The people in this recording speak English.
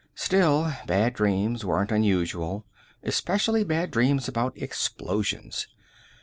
Still, bad dreams weren't unusual, especially bad dreams about explosions.